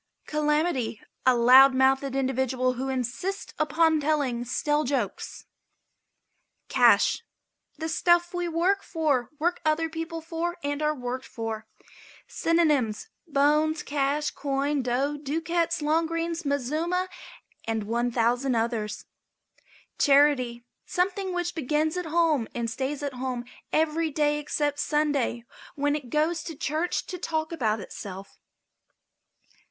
CALAMITY. A loud mouthed individual who insists upon telling stale jokes. CASH. The stuff we work for, work other people for and are worked for. Synonyms: Bones, Cash, Coin, Dough, Ducats, Long green, Mazuma, and 1,000 others. CHARITY. Something which begins at home and stays at home every day except Sunday, when it goes to church to talk about itself.